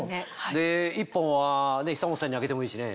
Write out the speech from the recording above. １本は久本さんにあげてもいいしね。